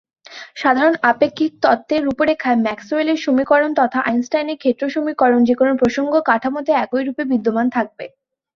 সাধারণ আপেক্ষিক তত্ত্বের রূপরেখায়, ম্যাক্সওয়েলের সমীকরণ তথা আইনস্টাইনের ক্ষেত্র সমীকরণ যেকোন প্রসঙ্গ কাঠামোতে একই রূপে বিদ্যমান থাকবে।